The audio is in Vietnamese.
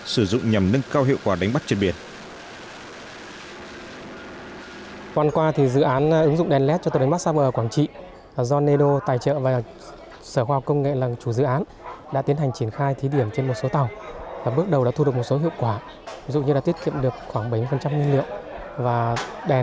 sử dụng nhằm nâng cao hiệu quả đánh bắt trên biển